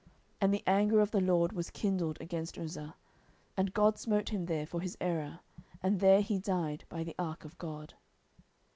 10:006:007 And the anger of the LORD was kindled against Uzzah; and God smote him there for his error; and there he died by the ark of God.